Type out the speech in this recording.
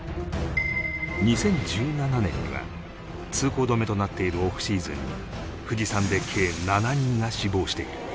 ２０１７年には通行止めとなっているオフシーズンに富士山で計７人が死亡している